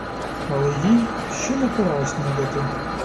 Але їй ще не пора снідати.